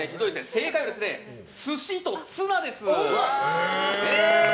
正解はスシとツナです。